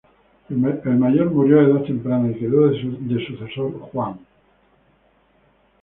El mayor murió a edad temprana y quedó de sucesor Juan.